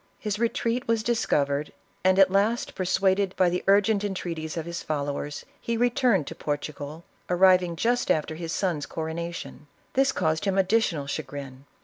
His retreat was discovered, and at last persuaded by the urgent entreaties of his follow ers, he returned to Portugal, arriving just after his son's coronation. This caused him additional chagrin.